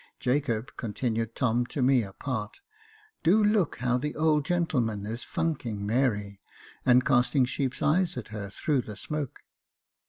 Jacob," continued Tom, to me apart, " do look how the old gentleman is funking Mary, and casting sheep's eyes at her through the smoke."